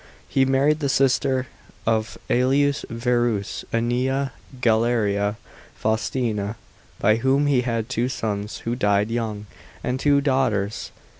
He married the sister of ^Elius Verus, Annia Galeria Faustina, by whom he had two sons, who died young, and two daughters.